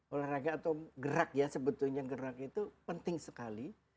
olahraga atau gerak ya sebetulnya gerak itu penting sekali